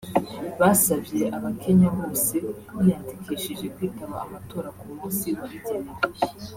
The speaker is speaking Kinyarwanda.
Basavye abakenya bose biyandikishije kwitaba amatora ku munsi wabigenewe